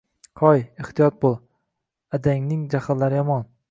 Hoy, ehtiyot bo‘l, adangning jahllari yomon.